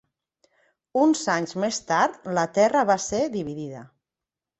Uns anys més tard, la terra va ser dividida.